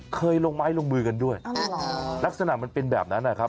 เคยลงไม้ลงมือกันด้วยลักษณะมันเป็นแบบนั้นนะครับ